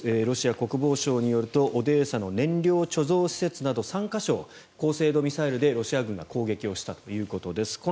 ロシア国防省によるとオデーサの燃料貯蔵施設など３か所を高精度ミサイルでロシア軍が攻撃をしたということです。